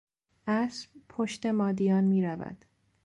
اسب پشت مادیان میرود.